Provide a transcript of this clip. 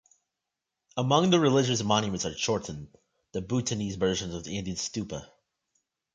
Among the religious monuments are chorten, the Bhutanese version of the Indian stupa.